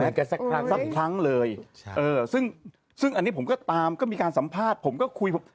แกสักครั้งสักครั้งเลยใช่เออซึ่งซึ่งอันนี้ผมก็ตามก็มีการสัมภาษณ์ผมก็คุยผม